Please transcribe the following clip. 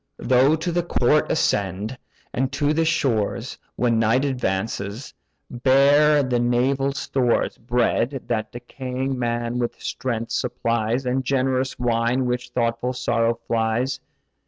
Thou to the court ascend: and to the shores (When night advances) bear the naval stores; Bread, that decaying man with strength supplies, And generous wine, which thoughtful sorrow flies.